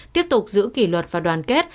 tiếp tục giữ kỷ luật và đoàn kết